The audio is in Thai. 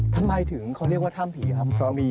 ทำไมถึงเขาเรียกว่าถ้ำผีครับ